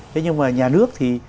thế nhưng mà nhà nước thì